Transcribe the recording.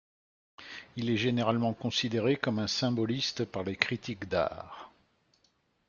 Il est généralement considéré comme un symboliste par les critiques d'art.